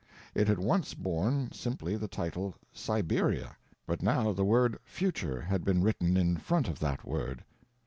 It had once borne simply the title SIBERIA; but now the word "FUTURE" had been written in front of that word.